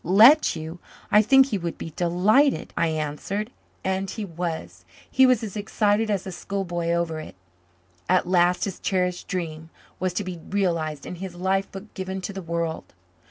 "Let you! I think he would be delighted," I answered. And he was. He was as excited as a schoolboy over it. At last his cherished dream was to be realized and his life book given to the world.